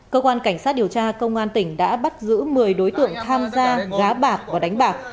cơ quan cảnh sát điều tra công an tỉnh đã bắt giữ một mươi đối tượng tham gia gá bạc và đánh bạc